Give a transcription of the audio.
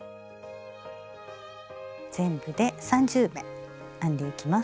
全部で３０目編んでいきます。